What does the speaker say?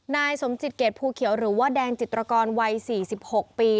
นายสมจิตเกรดภูเขียวหรือว่าแดงจิตรกรวัย๔๖ปี